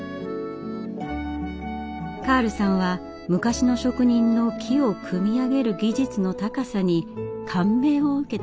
カールさんは昔の職人の木を組み上げる技術の高さに感銘を受けたといいます。